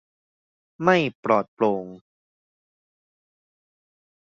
ไม่ปลอดโปร่ง